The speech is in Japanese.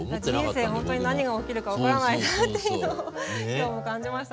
人生ほんとに何が起きるか分からないなっていうのを今日も感じましたね。